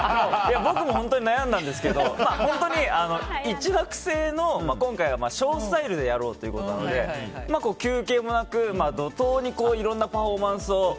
僕も本当に悩んだんですけど本当に一幕制のショースタイルでやろうということなので休憩もなく、怒涛にいろんなパフォーマンスを。